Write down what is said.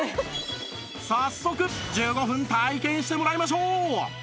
早速１５分体験してもらいましょう